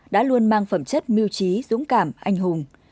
đã luôn mang phẩm chất mưu trí dũng cảm anh hùng